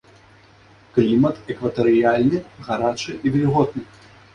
Клімат экватарыяльны, гарачы і вільготны.